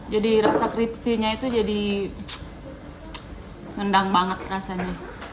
jadi rasa kripsinya itu jadi nendang banget rasanya